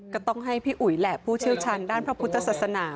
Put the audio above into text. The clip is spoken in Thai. ก็ต้องให้พี่อุ๋ยแหละผู้เชี่ยวชาญด้านพระพุทธศาสนา